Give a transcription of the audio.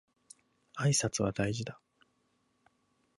挨拶は大事だ